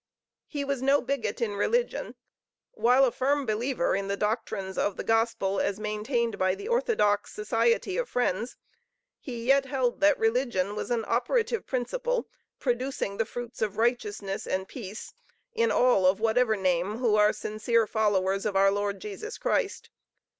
He was no bigot in religion. While a firm believer in the doctrines of the Gospel as maintained by the orthodox Society of Friends, he yet held that religion was an operative principle producing the fruits of righteousness and peace, in all of whatever name, who are sincere followers of our Lord Jesus Christ.